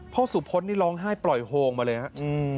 สุพธนี่ร้องไห้ปล่อยโฮงมาเลยครับ